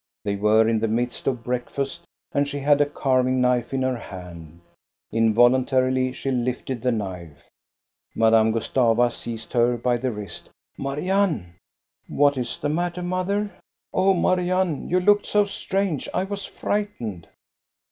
They were in the midst of breakfast, and she had a carving knife in her hand. Involuntarily she lifted the knife. Madame Gustava seized her by the wrist. " Marianne !"" What is the matter, mother? " "Oh, Marianne, you looked so strange! I was frightened."